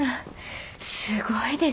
すごいです。